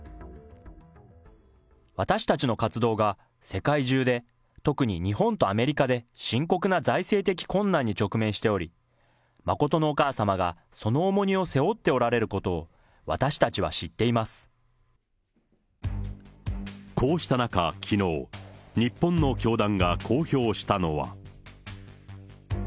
私たちの活動が世界中で、特に日本とアメリカで、深刻な財政的困難に直面しており、真のお母様がその重荷を背負っておられることを私たちは知っていこうした中、きのう、日本の教団が公表したのは。